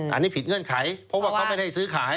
อันนี้ผิดเงื่อนไขเพราะว่าเขาไม่ได้ซื้อขาย